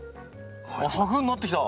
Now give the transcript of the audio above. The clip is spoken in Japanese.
あ柵になってきた！